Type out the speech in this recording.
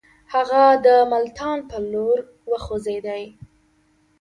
هغه د ملتان پر لور وخوځېدی.